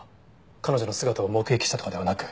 彼女の姿を目撃したとかではなく。